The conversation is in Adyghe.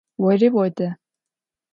Ори одэ.